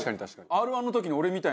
Ｒ−１の時の俺みたいな。